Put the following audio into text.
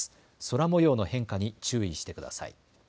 空もようの変化に注意してください。